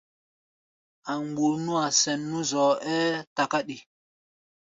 A̧ mgbuu nú-a sɛn nú zɔɔ-ɛ́ɛ́ takáɗi.